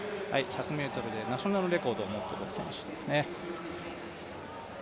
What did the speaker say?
１００ｍでナショナルレコードを持っている選手ですね。